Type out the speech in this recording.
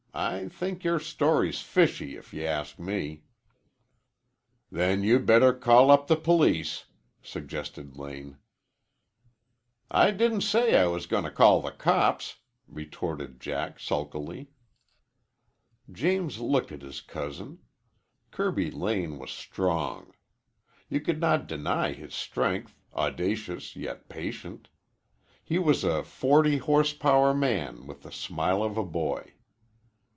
I think your story's fishy, if you ask me." "Then you'd better call up the police," suggested Lane. "I didn't say I was going to call the cops," retorted Jack sulkily. James looked at his cousin. Kirby Lane was strong. You could not deny his strength, audacious yet patient. He was a forty horsepower man with the smile of a boy.